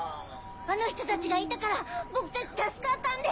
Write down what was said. あの人たちがいたから僕たち助かったんです！